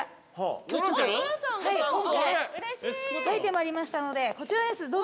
描いてまいりましたのでこちらです